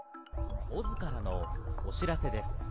ＯＺからのお知らせです。